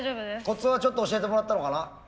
コツはちょっと教えてもらったのかな？